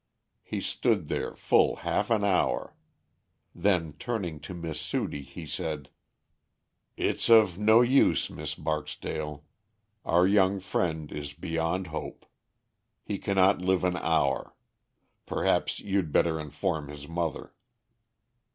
He stood there full half an hour then turning to Miss Sudie, he said: "It's of no use, Miss Barksdale. Our young friend is beyond hope. He cannot live an hour. Perhaps you'd better inform his mother."